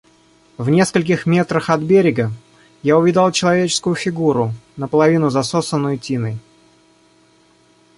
В нескольких метрах от берега я увидал человеческую фигуру, наполовину засосанную тиной.